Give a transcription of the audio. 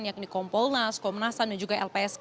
yakni kompolnas komnas ham dan juga lpsk